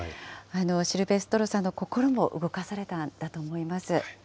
シルヴェストロフさんの心も動かされたんだと思います。